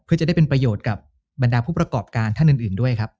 เพื่อจะได้เป็นประโยชน์กับบรรดาผู้ประกอบการท่านอื่นด้วยครับ